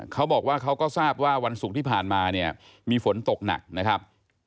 เขาบอกว่าเขาก็ทราบว่าวันศุกร์ที่ผ่านมามีฝนตกหนักนะครับ